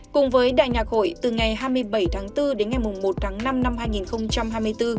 cùng với đại nhạc hội từ ngày hai mươi bảy tháng bốn đến ngày một tháng năm năm hai nghìn hai mươi bốn